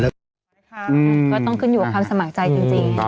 ก็ต้องขึ้นอยู่กับความสมัครใจจริง